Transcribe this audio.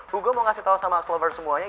hugo mau kasih tau sama okslover semuanya